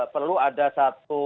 perlu ada satu